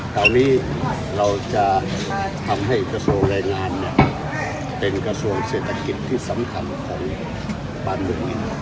คราวนี้เราจะทำให้กระทรวงแรงงานเป็นกระทรวงเศรษฐกิจที่สำคัญของบ้านเมือง